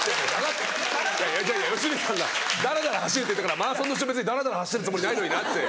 良純さんが「ダラダラ走る」って言ったからマラソンの人別にダラダラ走ってるつもりないのになって。